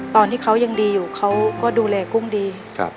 ตอนที่เขายังดีอยู่เขาก็ดูแลกุ้งดี